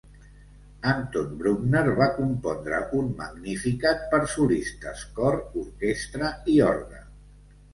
Anton Bruckner va compondre un "Magníficat" per solistes, cor, orquestra i orgue.